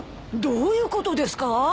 どういうことですか？